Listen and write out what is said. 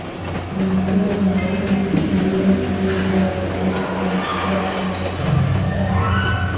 ya mapenzi lakini sijaingia studio Sasa hii naihisi inachukua chati kwa sababu